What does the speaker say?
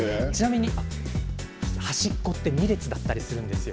端っこは２列だったりするんです。